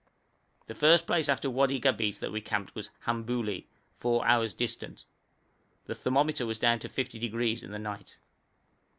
The first place after Wadi Gabeit that we camped at was Hambulli, four hours distant. The thermometer was down to 50° in the night.